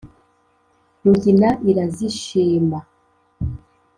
rugina irazishima.